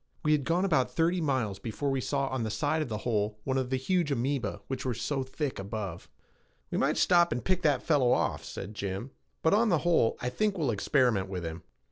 We had gone about thirty miles before we saw on the side of the hole one of the huge amoeba which were so thick above. "We might stop and pick that fellow off," said Jim, "but, on the whole, I think we'll experiment with him."